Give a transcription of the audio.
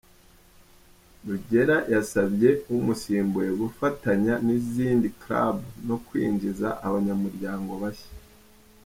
Rugera yasabye umusimbuye gufatanya n’izindi clubs no kwinjiza abanyamuryango bashya.